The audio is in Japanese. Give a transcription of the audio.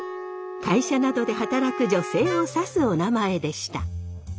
会社などで働く女性を指すおなまえでした。